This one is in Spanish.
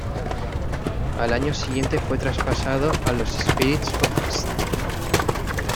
Al año siguiente fue traspasado a los Spirits of St.